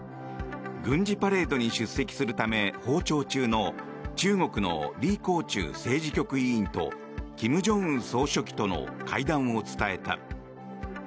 軍事パレードに出席するため訪朝中の中国のリ・コウチュウ政治局委員と金正恩総書記との会談を伝えた。